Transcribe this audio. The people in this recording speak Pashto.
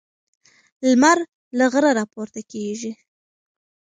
لمر له غره راپورته کیږي.